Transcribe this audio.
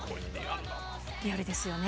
リアルですよね。